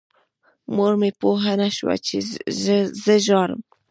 مور مې پوه نه شوه چې زه ژاړم.